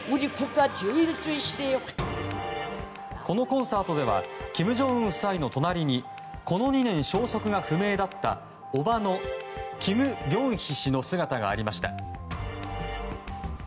このコンサートでは金正恩夫妻の隣にこの２年消息が不明だった叔母のキム・ギョンヒ氏の姿がありました。